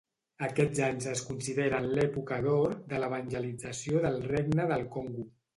Aquests anys es consideren l'època d'or de l'evangelització del regne del Congo.